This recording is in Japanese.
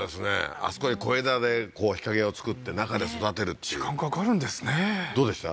あそこに小枝でこう日陰を作って中で育てるっていう時間かかるんですねどうでした？